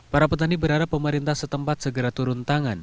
para petani berharap pemerintah setempat segera turun tangan